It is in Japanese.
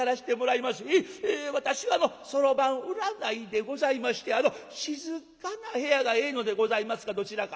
私はあのそろばん占いでございまして静かな部屋がええのでございますがどちらか。